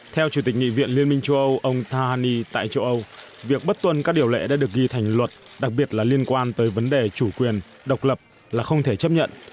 theo chủ tịch nghị viện liên minh châu âu ông tahani tại châu âu việc bất tuân các điều lệ đã được ghi thành luật đặc biệt là liên quan tới vấn đề chủ quyền độc lập là không thể chấp nhận